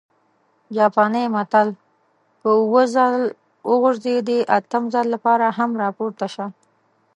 جاپانى متل: که اووه ځل وغورځېدې، اتم ځل لپاره هم راپورته شه!